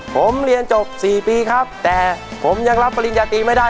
ผมเรียนจบ๔ปีครับแต่ผมยังรับปริญญาตรีไม่ได้